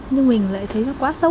nhưng mình lại thấy nó quá xấu